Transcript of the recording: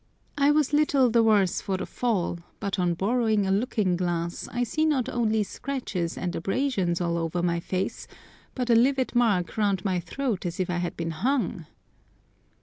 I was little the worse for the fall, but on borrowing a looking glass I see not only scratches and abrasions all over my face, but a livid mark round my throat as if I had been hung!